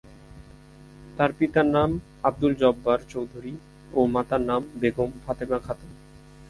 তার পিতার নাম আব্দুল জব্বার চৌধুরী ও মাতার নাম বেগম ফাতেমা খাতুন।